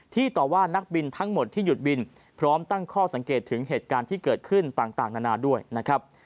ต่อว่านักบินทั้งหมดที่หยุดบินพร้อมตั้งข้อสังเกตถึงเหตุการณ์ที่เกิดขึ้นต่างนานาด้วยนะครับ